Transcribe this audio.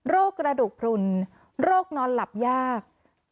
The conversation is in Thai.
กระดูกพลุนโรคนอนหลับยาก